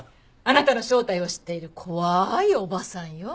あなたの正体を知っている怖いおばさんよ。